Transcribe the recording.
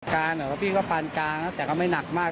การณ์พี่ก็ปานการณ์แต่ก็ไม่หนักมาก